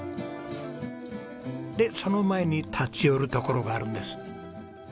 でその前に立ち寄る所があるんです。